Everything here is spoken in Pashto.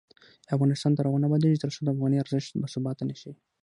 افغانستان تر هغو نه ابادیږي، ترڅو د افغانۍ ارزښت باثباته نشي.